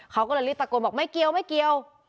เขาก็เลยรีบตะโกนบอกไม่เกี่ยว